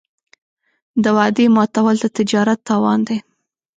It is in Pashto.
د وعدې ماتول د تجارت تاوان دی.